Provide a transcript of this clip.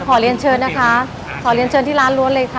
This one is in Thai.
ขอเรียนเชิญนะคะขอเรียนเชิญที่ร้านล้วนเลยค่ะ